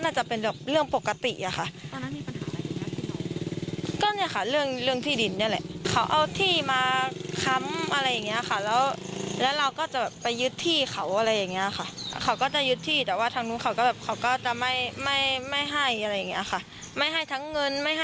ไม่ให้ทั้งเงินไม่ให้ที่ด้วยอะไรอย่างนี้